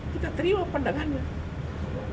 kita terima pandangannya